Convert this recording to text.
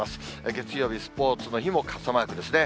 月曜日、スポーツの日も傘マークですね。